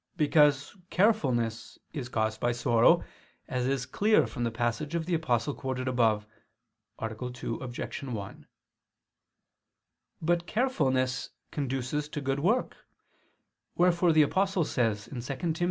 Because carefulness is caused by sorrow, as is clear from the passage of the Apostle quoted above (A. 2, Obj. 1). But carefulness conduces to good work: wherefore the Apostle says (2 Tim.